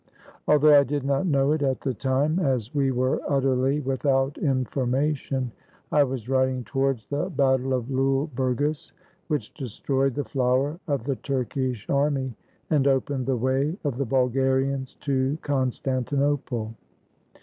Although I did not know it at the time, as we were utterly without information, I was riding towards the 441 THE BALKAN STATES battle of Lule Burgas, which destroyed the flower of the Turkish army and opened the way of the Bulgarians to Constantinople.